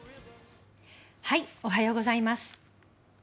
おはようございます。